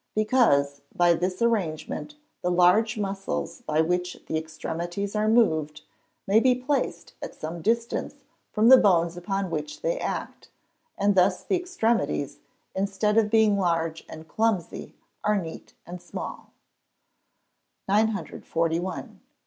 _ Because, by this arrangement, the large muscles by which the extremities are moved, may be placed at some distance from the bones upon which they act, and thus the extremities, instead of being large and clumsy, are small and neat. 941.